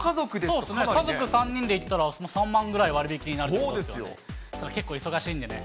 家族３人で行ったら、３万ぐらい割引あるということですよね。